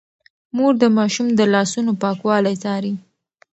مور د ماشوم د لاسونو پاکوالی څاري.